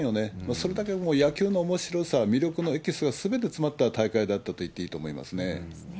それだけもう野球のおもしろさ、魅力のエキスがすべて詰まった大会だったと言っていいと思いますそうですね。